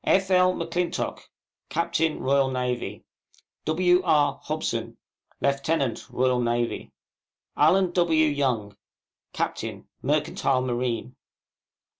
F. L. M'CLINTOCK, Captain R.N. W. R. HOBSON, Lieutenant R.N. ALLEN W. YOUNG, Captain, Mercantile Marine.